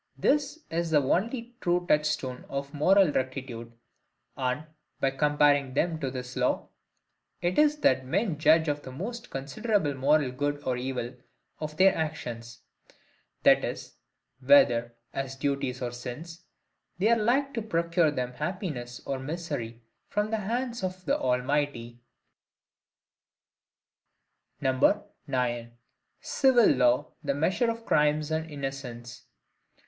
This is the only true touchstone of moral rectitude; and, by comparing them to this law, it is that men judge of the most considerable moral good or evil of their actions; that is, whether, as duties or sins, they are like to procure them happiness or misery from the hands of the ALMIGHTY. 9. Civil Law the Measure of Crimes and Innocence.